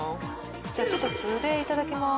じゃあちょっと素でいただきます。